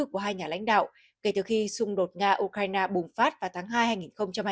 của hai nhà lãnh đạo kể từ khi xung đột nga ukraine bùng phát vào tháng hai hai nghìn hai mươi